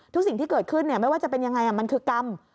สิ่งที่เกิดขึ้นไม่ว่าจะเป็นยังไงมันคือกรรม